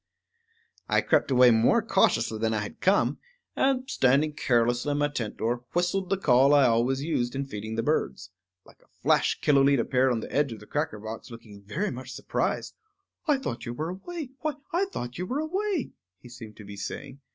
I crept away more cautiously than I had come, and, standing carelessly in my tent door, whistled the call I always used in feeding the birds. Like a flash Killooleet appeared on the edge of the cracker box, looking very much surprised. "I thought you were away; why, I thought you were away," he seemed to be saying.